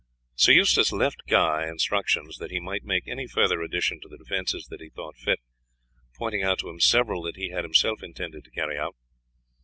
Sir Eustace left Guy instructions that he might make any further addition to the defences that he thought fit, pointing out to him several that he had himself intended to carry out.